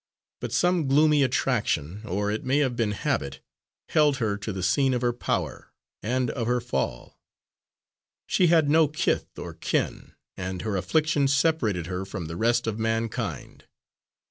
But some gloomy attraction, or it may have been habit, held her to the scene of her power and of her fall. She had no kith nor kin, and her affliction separated her from the rest of mankind.